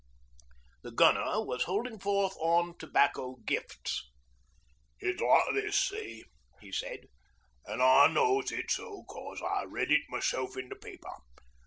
The Gunner was holding forth on Tobacco Gifts. 'It's like this, see,' he said. 'An' I knows it's so 'cos I read it myself in the paper.